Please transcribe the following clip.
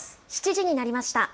７時になりました。